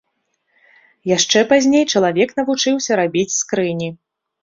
Яшчэ пазней чалавек навучыўся рабіць скрыні.